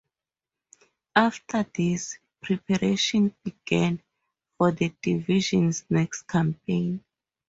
After this, preparations began for the division's next campaign.